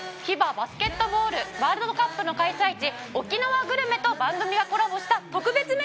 ＦＩＢＡバスケットボールワールドカップの開催地沖縄グルメと番組がコラボした特別メニューも楽しめるんです。